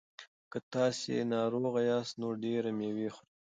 که تاسي ناروغه یاست نو ډېره مېوه خورئ.